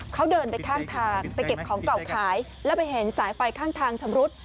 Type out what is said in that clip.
เขาเดินไปข้างทางไปเก็บของเก่าขายแล้วไปเห็นสายไฟข้างทางชำรุด